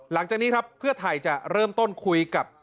หลังจากนี้ครับเพื่อไทยจะเริ่มต้นคุยกับ